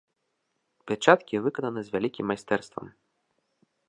Пячаткі выкананы з вялікім майстэрствам.